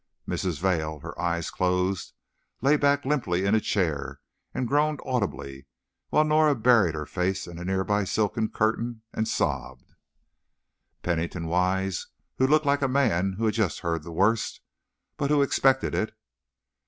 Mrs. Vail, her eyes closed, lay back limply in a chair, and groaned audibly, while Norah buried her face in a nearby silken curtain and sobbed. Pennington Wise looked like a man who has just heard the worst, but who expected it.